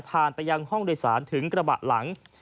ไปยังห้องโดยสารถึงกระบะหลัง